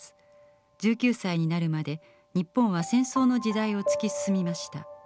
１９歳になるまで日本は戦争の時代を突き進みました。